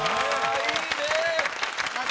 いいね！